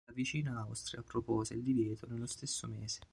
La vicina Austria propose il divieto nello stesso mese.